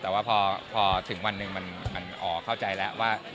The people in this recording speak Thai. แต่ว่าพอถึงวันหนึ่งมันอ๋อเข้าใจแล้วว่า